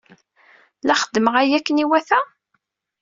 La xeddmeɣ aya akken iwata?